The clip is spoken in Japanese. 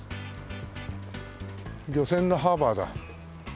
漁船のハーバーだ。